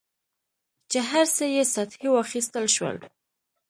چې هر څه یې سطحي واخیستل شول.